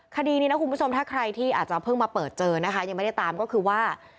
คดีนี้นะคุณผู้ชมถ้าใครที่อาจจะเพิ่งมาเปิดเจอนะคะยังไม่ได้ตามก็คือว่า